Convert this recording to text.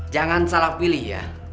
jangan salah pilih ya